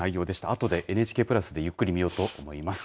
あとでＮＨＫプラスでゆっくり見ようと思います。